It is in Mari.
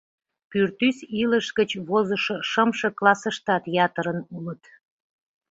Пӱртӱс илыш гыч возышо шымше классыштат ятырын улыт.